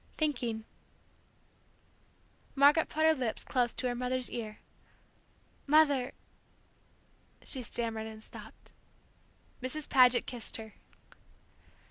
"Thinking." Margaret put her lips close to her mother's ear. "Mother " she stammered and stopped. Mrs. Paget kissed her.